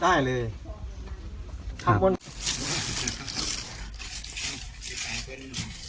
สวัสดีครับทุกคน